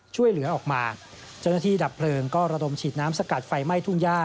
ช่วยเหลือออกมาเจ้าหน้าที่ดับเพลิงก็ระดมฉีดน้ำสกัดไฟไหม้ทุ่งย่า